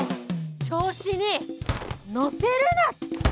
調子に乗せるな！